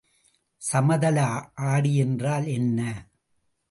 சமதள ஆடி என்றால் என்ன?